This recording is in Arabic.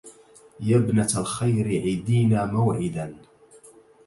يا ابنة الخير عدينا موعدا